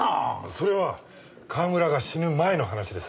それは川村が死ぬ前の話です。